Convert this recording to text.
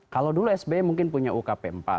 kalau dulu sbi mungkin punya ukp empat